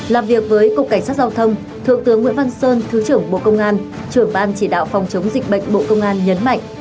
làm việc với cục cảnh sát giao thông thượng tướng nguyễn văn sơn thứ trưởng bộ công an trưởng ban chỉ đạo phòng chống dịch bệnh bộ công an nhấn mạnh